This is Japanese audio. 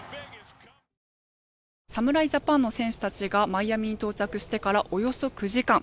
侍ジャパンの選手たちがマイアミに到着してからおよそ９時間。